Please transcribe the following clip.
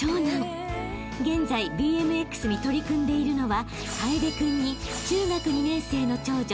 ［現在ＢＭＸに取り組んでいるのは］